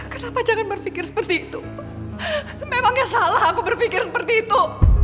kenapa jangan berpikir seperti itu memangnya salah aku berpikir seperti itu